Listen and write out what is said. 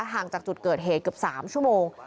ห่างจากจุดเกิดเหตุเกือบ๓ชั่วโมง